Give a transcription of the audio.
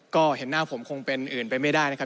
ก็เห็นหน้าผมคงเป็นอื่นไปไม่ได้นะครับ